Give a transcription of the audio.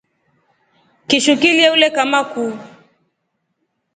Kishu Kilya ule kama kuu.